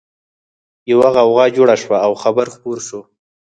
يوه غوغا جوړه شوه او خبر خپور شو